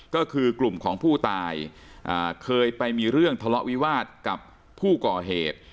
ก็คือกลุ่มของผู้ตายเคยไปมีเรื่องทะเลาะวิวาสกับผู้ก่อเหตุ